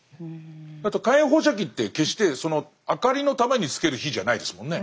あと火炎放射器って決してその明かりのためにつける火じゃないですもんね。